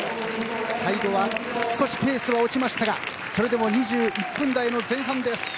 最後は少しペースは落ちましたがそれでも２１分台の前半です。